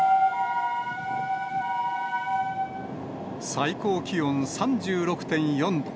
最高気温３６．４度。